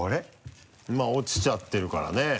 まぁ落ちちゃってるからね。